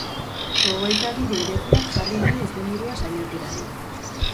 Gogoeta-bide irekiak jarri dio izenburua saiakerari.